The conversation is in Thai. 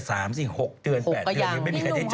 อย่า๓สิ๖เดือน๘เดือนยังไม่มีใครได้เจอ